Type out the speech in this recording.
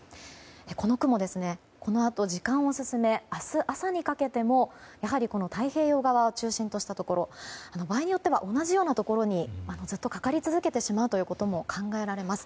この雲、このあと時間を進め明日朝にかけてもやはり太平洋側を中心としたところ場合によっては同じようなところにずっとかかり続けてしまうことも考えられます。